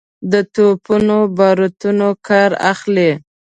د توپونو باروتو کار اخلي.